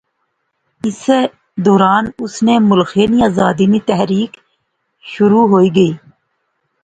اسے دوران اس نے ملخے نی آزادی نی تحریک شروع ہوئی گئی